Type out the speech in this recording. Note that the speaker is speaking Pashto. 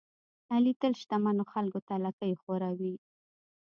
علي تل شتمنو خلکوته لکۍ خوروي.